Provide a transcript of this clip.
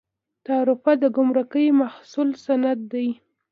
تعرفه د ګمرکي محصول سند دی